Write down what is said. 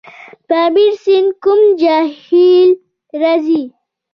پامیر سیند له کوم جهیل راځي؟